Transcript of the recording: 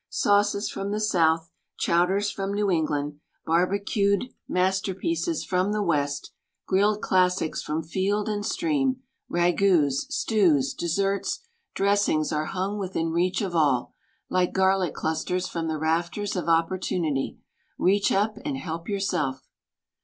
Sauces from the south, chowders from New England, barbecued INTRODUCTION masterpieces from the west, grilled classics from field and stream, ragouts, stews, desserts, dressings are hung within reach of all, like garlic clusters from the rafters of oppor tunity. Reach up and help yourself.